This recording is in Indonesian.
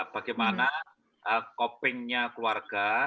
bagaimana copingnya keluarga